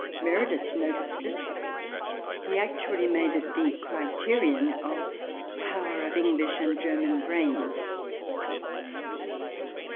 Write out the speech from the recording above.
Meredith noticed it ; he actually made it the criterion of power of English and German brains.